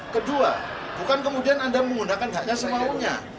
ada dua bukan kemudian anda menggunakan haknya semaunya